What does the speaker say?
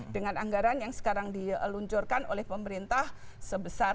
dengan anggaran yang sekarang diluncurkan oleh pemerintah sebesar